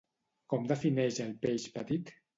Com defineix al peix petit?